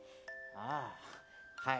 ああはい。